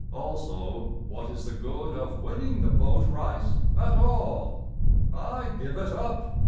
Also, what is the good Of winning the bowt rice At all? I give it up.